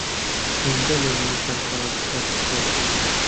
هێندە لە نوێژا ڕاوەستا بە شەو